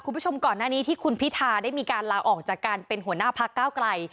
คุณผู้ชมก่อนหน้านี้ที่คุณพิธาได้มีการลาออกจากการเป็นหัวหน้าพักเก้าไกล